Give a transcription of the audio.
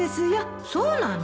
そうなの？